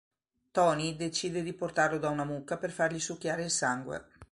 Tony decide di portarlo da una mucca per fargli succhiare il sangue.